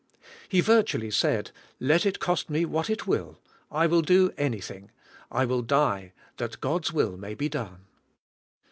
He vir tually said, ' 'Let it cost me what it will, I will do any thing. I will die that God's will may be done."